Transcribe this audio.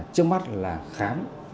trước mắt là khám